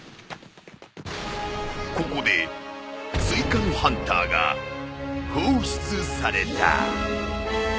ここで追加のハンターが放出された！